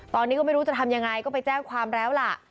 ตอนนี้ก็ไม่รู้จะทำยังไงก็ไปแจ้งความแล้วล่ะ